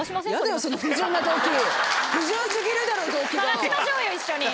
探しましょうよ一緒に。